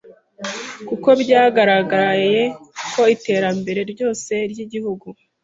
kuko byagaragaye ko iterimbere ryose ry’Igihugu